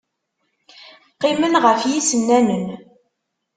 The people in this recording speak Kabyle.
Qqimen ɣef yisennanen.